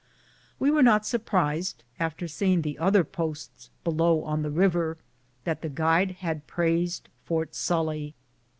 We were not surprised, after seeing the other posts below on the river, that the guide had praised Fort Sully.